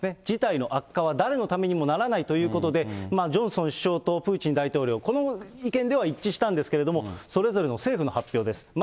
事態の悪化は誰のためにもならないということで、ジョンソン首相とプーチン大統領、この意見では一致したんですけれども、それぞれの政府の発表です。